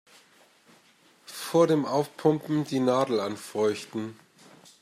Vor dem Aufpumpen die Nadel anfeuchten.